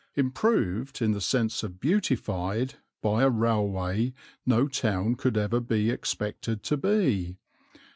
Improved, in the sense of beautified, by a railway no town could ever be expected to be.